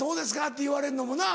って言われんのもな。